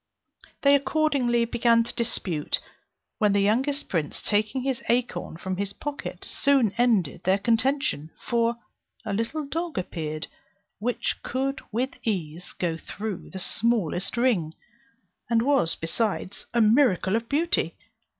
They accordingly began to dispute; when the youngest prince, taking his acorn from his pocket, soon ended their contention; for a little dog appeared which could with ease go through the smallest ring, and was besides a miracle of beauty.